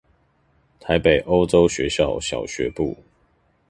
臺北歐洲學校小學部